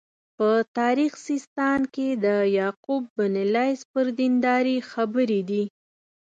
په تاریخ سیستان کې د یعقوب بن لیث پر دینداري خبرې دي.